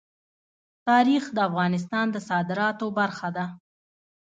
تاریخ د افغانستان د صادراتو برخه ده.